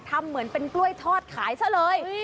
ทำเหมือนเป็นกล้วยทอดขายซะเลย